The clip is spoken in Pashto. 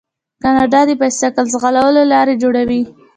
کاناډا د بایسکل ځغلولو لارې جوړوي.